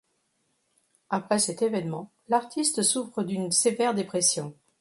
Après cet évènement, l’artiste souffre d’une sévère dépression.